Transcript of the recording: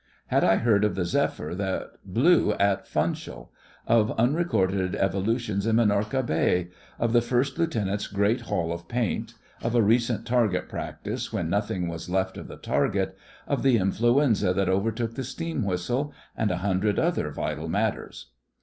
Had I heard of the zephyr that blew at Funchal; of unrecorded evolutions in Minorca Bay; of the First Lieutenant's great haul of paint; of a recent target practice when nothing was left of the target; of the influenza that overtook the steam whistle; and a hundred other vital matters?